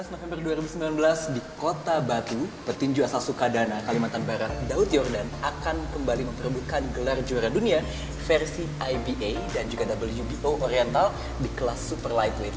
tujuh belas november dua ribu sembilan belas di kota batu petinju asal sukadana kalimantan barat daud yordan akan kembali memperebutkan gelar juara dunia versi iba dan juga wbo oriental di kelas super lightweight